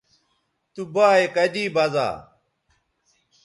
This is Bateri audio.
تو بایئے کدی بزا